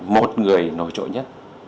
một người nổi trội nhất